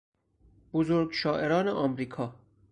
بزرگ شاعران امریکا